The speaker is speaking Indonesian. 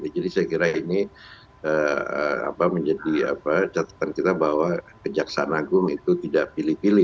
jadi saya kira ini menjadi catatan kita bahwa kejaksaan agung itu tidak pilih pilih